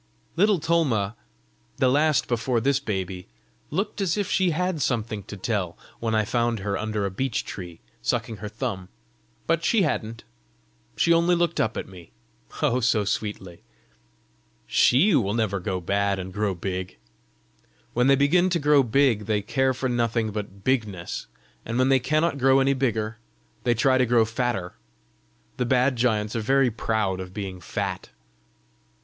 "Little Tolma, the last before this baby, looked as if she had something to tell, when I found her under a beech tree, sucking her thumb, but she hadn't. She only looked up at me oh, so sweetly! SHE will never go bad and grow big! When they begin to grow big they care for nothing but bigness; and when they cannot grow any bigger, they try to grow fatter. The bad giants are very proud of being fat."